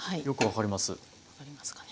よく分かります。